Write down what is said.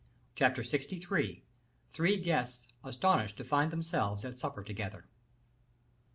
Chapter LXIII. Three Guests Astonished to Find Themselves at Supper Together.